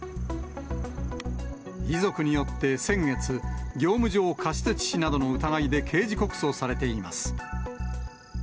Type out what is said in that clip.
遺族によって先月、業務上過失致死などの疑いで刑事告訴されています。